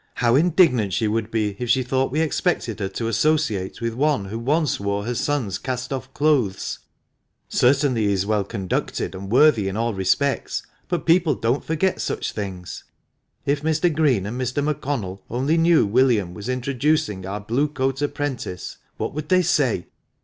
How indignant she would be if she thought we expected her to associate with one who once wore her son's cast off clothes ! Certainly he is well conducted, and worthy in all respects, but — people don't forget such things ! If Mr. Green and Mr. McConnell only knew William was introducing our Blue coat apprentice, what would they say